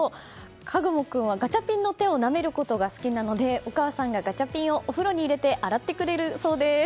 禾雲君はガチャピンの手をなめることが好きなのでお母さんがガチャピンをお風呂に入れて洗ってくれるそうです。